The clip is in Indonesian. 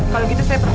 kalau gitu saya pergi